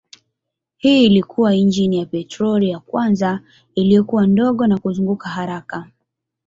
Hii ilikuwa injini ya petroli ya kwanza iliyokuwa ndogo na kuzunguka haraka.